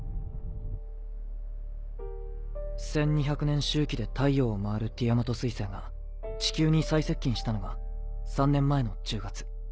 １２００年周期で太陽を回るティアマト彗星が地球に最接近したのが３年前の１０月。